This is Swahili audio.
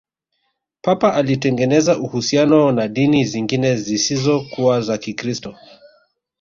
papa alitengeneza uhusiano na dini zingine zisizokuwa wa kikristo